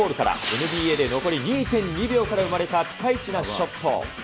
ＮＢＡで残り２．２秒から生まれたピカイチなショット。